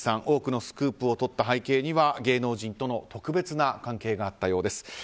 多くのスクープをとった背景には芸能人との特別な関係があったようです。